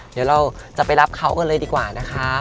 เดี๋ยวเราจะไปรับเขากันเลยดีกว่านะคะ